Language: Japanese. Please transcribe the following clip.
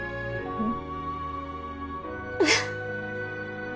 うん。